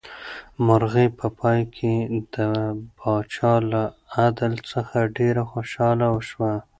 مرغۍ په پای کې د پاچا له عدل څخه ډېره خوشحاله شوه.